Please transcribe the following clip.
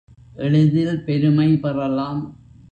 எளிதில் பெருமை பெறலாம்.